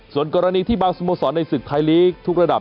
ส่วนกรณีที่บางสโมสรในศึกไทยลีกทุกระดับ